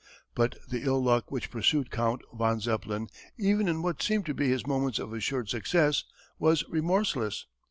But the ill luck which pursued Count von Zeppelin even in what seemed to be his moments of assured success was remorseless.